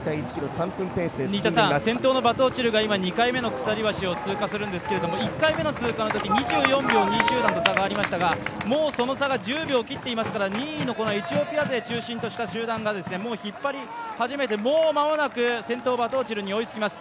先頭のバトオチルが鎖橋を通るんですけれども２位集団と差がありましたがもうその差が１０秒を切ってましてエチオピア勢を中心とした集団がもう引っ張り初めて、もう間もなく先頭バトオチルに追いつきます。